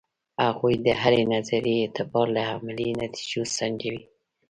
هغوی د هرې نظریې اعتبار له عملي نتیجو سنجوي.